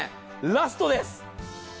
ラストです！